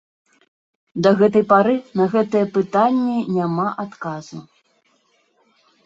Да гэтай пары на гэтае пытанне няма адказу.